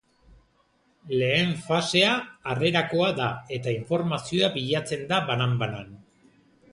Lehen fasea harrerakoa da eta informazioa bilatzen da banan-banan.